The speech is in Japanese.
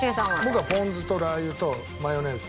僕はポン酢とラー油とマヨネーズ。